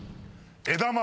枝豆。